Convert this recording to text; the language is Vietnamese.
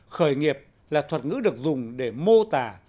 khởi nghiệp là thuật ngữ được dùng để mô tả